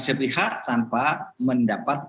sepihak tanpa mendapat